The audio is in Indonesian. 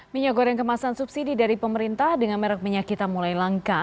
minyak goreng kemasan subsidi dari pemerintah dengan merek minyak kita mulai langka